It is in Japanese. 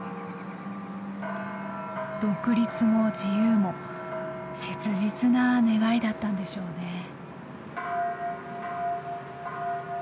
独立も自由も切実な願いだったんでしょうね。